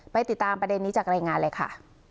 ติดตามประเด็นนี้จากรายงานเลยค่ะ